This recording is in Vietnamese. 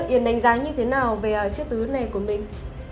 yến đánh giá như thế nào về chiếc tứ này của mình